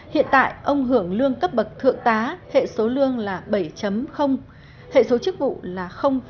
hiện tại ông hưởng lương cấp bậc thượng tá hệ số lương là bảy hệ số chức vụ là